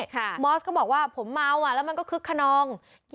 มอสก็บอกว่าผมเมาอ่ะแล้วมันก็คึกขนอง